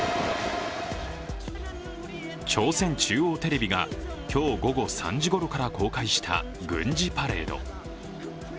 朝鮮中央テレビが今日午後３時ごろから公開した軍事パレード。